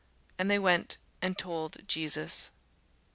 And they went and told Jesus.